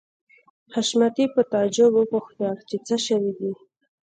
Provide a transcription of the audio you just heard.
حشمتي په تعجب وپوښتل چې څه شوي دي